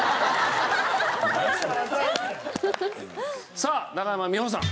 さあ中山美穂さん。